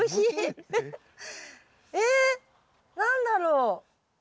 え何だろう？